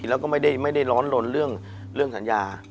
แล้วก็ไม่ได้ร้อนลนเรื่องสัญญา